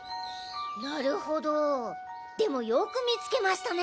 なるほどでもよく見つけましたね